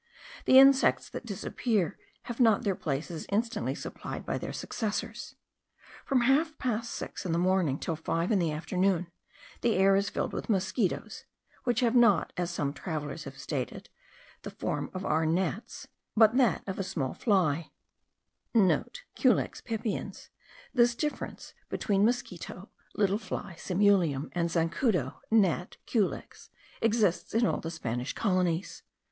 The insects that disappear have not their places instantly supplied by their successors. From half past six in the morning till five in the afternoon, the air is filled with mosquitos; which have not, as some travellers have stated, the form of our gnats,* (* Culex pipiens. This difference between mosquito (little fly, simulium) and zancudo (gnat, culex) exists in all the Spanish colonies.